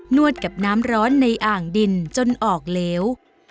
วดกับน้ำร้อนในอ่างดินจนออกเหลว